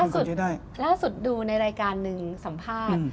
ล่าสุดดูในรายการหนึ่งสัมภาษณ์